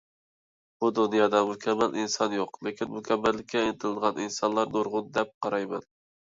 بۇ دۇنيادا مۇكەممەل ئىنسان يوق، لېكىن مۇكەممەللىككە ئىنتىلىدىغان ئىنسانلار نۇرغۇن دەپ قارايمەن.